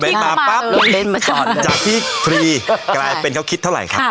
รถเบ้นมาปั๊บจากที่๓กลายเป็นเขาคิดเท่าไหร่ค่ะ